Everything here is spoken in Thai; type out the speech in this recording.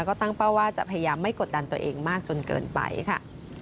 ก็ตั้งเป้าว่าจะพยายามไม่กดดันตัวเองมากจนเกินไปค่ะ